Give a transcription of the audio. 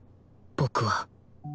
僕は